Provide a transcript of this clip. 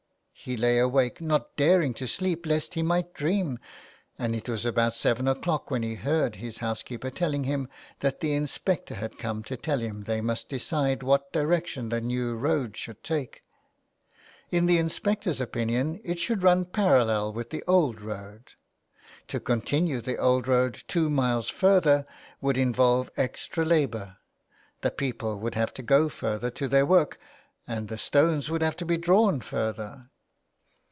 He lay awake, not daring to sleep lest he might dream. And it was about seven o'clock when he heard his housekeeper telling him that the inspector had come to tell him they must decide what direction the new road should take. In the inspectors opinion it should run parallel with the old road. To continue 187 A LETTER TO ROME. the old road two miles further would involve extra labour ; the people would have to go further to their work, and the stones would have to be drawn further.